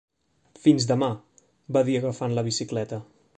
"Fins demà", va dir agafant la bicicleta.